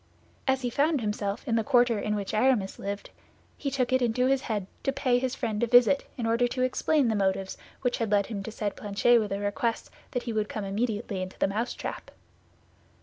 As he found himself in the quarter in which Aramis lived, he took it into his head to pay his friend a visit in order to explain the motives which had led him to send Planchet with a request that he would come instantly to the mousetrap.